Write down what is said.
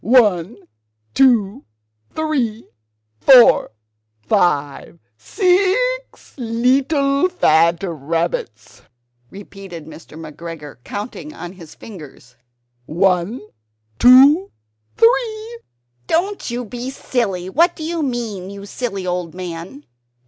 "One, two, three, four, five, six leetle fat rabbits!" repeated Mr. McGregor, counting on his fingers "one, two, three " "Don't you be silly: what do you mean, you silly old man?"